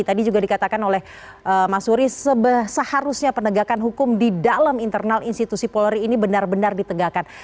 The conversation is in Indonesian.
tadi juga dikatakan oleh mas suri seharusnya penegakan hukum di dalam internal institusi polri ini benar benar ditegakkan